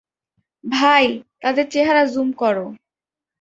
ভাই, তাদের চেহারা জুম কর।